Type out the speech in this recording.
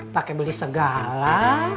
pake beli segala